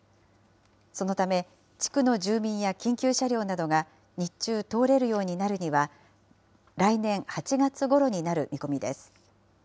そのため、地区の住民や緊急車両などが日中通れるようになるには、来年８月ごろになる見込みです。